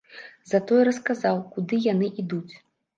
Затое расказаў, куды яны ідуць.